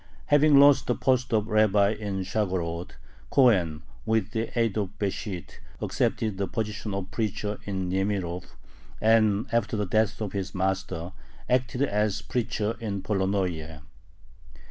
Having lost the post of rabbi in Shargorod, Cohen, with the aid of Besht, accepted the position of preacher in Niemirov, and, after the death of his master, acted as preacher in Polonnoye.